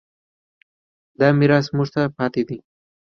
دا میراث موږ ته پاتې دی.